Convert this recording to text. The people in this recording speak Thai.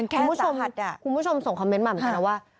คุณผู้ชมส่งคอมเม้นต์มาเหมือนกันนะว่า